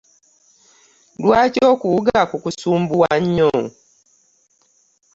Lwaki okuwuga kukusumbuwa nnyo?